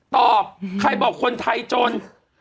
ใครบอกคนไทยจน